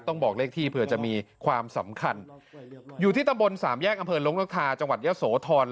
บอกเลขที่เผื่อจะมีความสำคัญอยู่ที่ตำบลสามแยกอำเภอลงนกทาจังหวัดยะโสธร